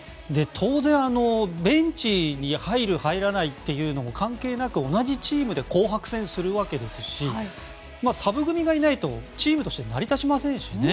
当然ベンチに入る、入らないというのも関係なく同じチームで紅白戦するわけですしサブ組がいないとチームとして成り立ちませんしね。